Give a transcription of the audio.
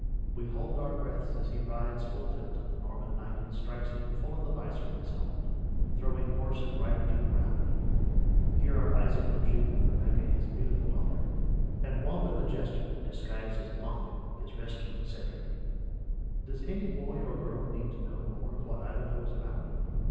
We hold our breaths as he rides full tilt at the Norman Knight and strikes him full on the visor of his helmet, throwing horse and rider to the ground. Here are Isaac the Jew and Rebecca his beautiful daughter; and Wamba the jester, disguised as a monk, is rescuing Cedric Does any boy or girl need to know more of what Ivanhoe is about?